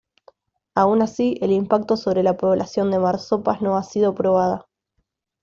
Aún así, el impacto sobre la población de marsopas no ha sido probada.